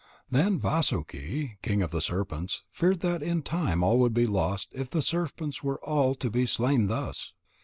Then Vasuki, king of the serpents, feared that in time all would be lost if the serpents were all to be slain thus.